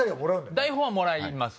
台本はもらいます。